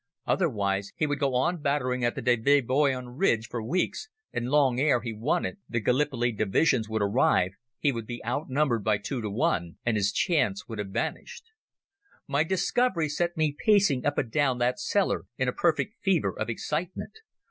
Otherwise he would go on battering at the Deve Boyun ridge for weeks, and long ere he won it the Gallipoli divisions would arrive, he would be out numbered by two to one, and his chance would have vanished. My discovery set me pacing up and down that cellar in a perfect fever of excitement.